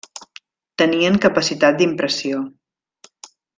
Tenien capacitat d'impressió.